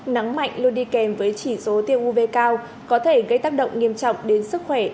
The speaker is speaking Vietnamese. nắng mạnh luôn đi kèm với chỉ số tiêu uv cao có thể gây tác động nghiêm trọng đến sức khỏe